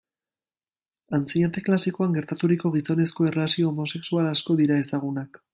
Antzinate klasikoan gertaturiko gizonezko erlazio homosexual asko dira ezagunak.